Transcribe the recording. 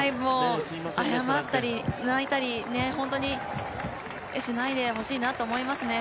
謝ったり、泣いたり本当にしないでほしいなと思いますね。